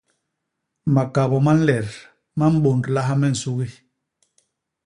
Makabô ma nlet ma mbôndlaha me nsugi.